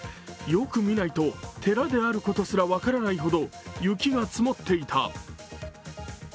よく見ないと、寺であることすら分からないほど雪が積もっていた。